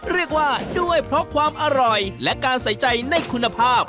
เรียกว่าด้วยเพราะความอร่อยและการใส่ใจในคุณภาพ